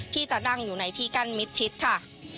ที่จะนั่งอยู่ในที่กั้นมิดชิดค่ะ